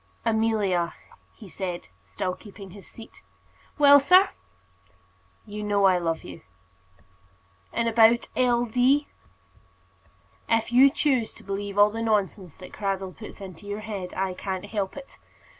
"Amelia," he said, still keeping his seat. "Well, sir?" "You know I love you." "And about L. D.?" "If you choose to believe all the nonsense that Cradell puts into your head, I can't help it.